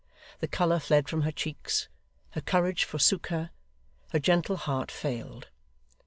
The colour fled from her cheeks, her courage forsook her, her gentle heart failed.